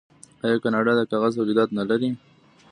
آیا کاناډا د کاغذ تولیدات نلري؟